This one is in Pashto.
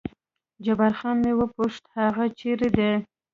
جبار خان مې وپوښت هغه چېرې دی؟